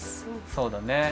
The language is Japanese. そうだね。